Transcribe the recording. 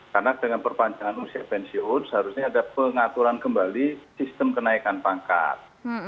karena dengan perpanjangan usia pensiun seharusnya ada pengaturan kembali sistem kenaikan pangkat